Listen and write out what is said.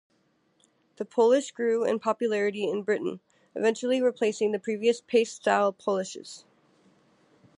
The polish grew in popularity in Britain, eventually replacing the previous paste-style polishes.